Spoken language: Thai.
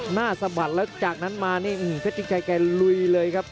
สะบัดแล้วจากนั้นมานี่เพชรชิงชัยแกลุยเลยครับ